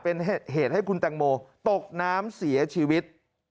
เป็นเหตุให้คุณแตงโมตกน้ำเสียชีวิต